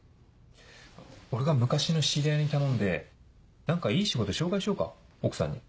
俺が昔の知り合いに頼んで何かいい仕事紹介しようか奥さんに。